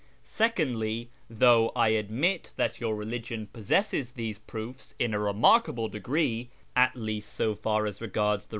Secondly, though I admit that your religion possesses these proofs in a remarkable degree (at least so far as regards the